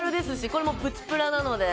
これもプチプラなので。